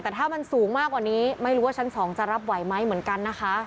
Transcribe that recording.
แต่ถ้ามันสูงมากกว่านี้ไม่รู้ว่าชั้น๒จะรับไหวไหมเหมือนกันนะคะ